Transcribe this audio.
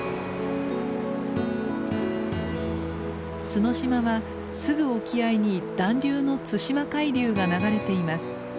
角島はすぐ沖合に暖流の対馬海流が流れています。